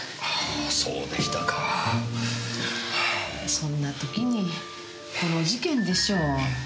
そんな時にこの事件でしょ？